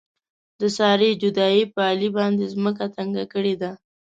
د سارې جدایۍ په علي باندې ځمکه تنګه کړې ده.